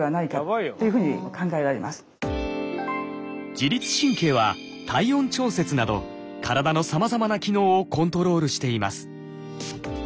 自律神経は体温調節など体のさまざまな機能をコントロールしています。